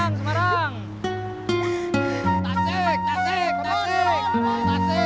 tasik tasik tasik